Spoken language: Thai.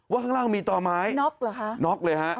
ข้างล่างมีต่อไม้น็อกเหรอคะน็อกเลยฮะ